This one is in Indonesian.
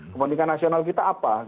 kepentingan nasional kita apa